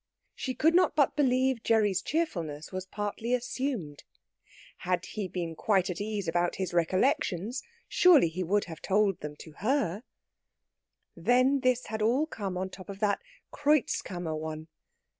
She could not but believe Gerry's cheerfulness was partly assumed. Had he been quite at ease about his recollections, surely he would have told them to her. Then this had all come on the top of that Kreutzkammer one.